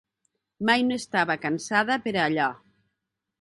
Mai no estava cansada per a allò.